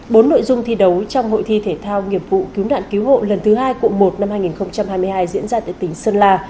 bốn nội dung thi đấu trong hội thi thể thao nghiệp vụ cứu nạn cứu hộ lần thứ hai cụ một năm hai nghìn hai mươi hai diễn ra tại tỉnh sơn la